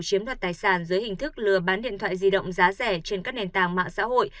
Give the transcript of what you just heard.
chiếm đoạt tài sản dưới hình thức lừa bán điện thoại di động giá rẻ trên các nền tảng mạng xã hội